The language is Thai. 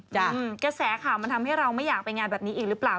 กระแสข่าวมันทำให้เราไม่อยากไปงานแบบนี้อีกหรือเปล่า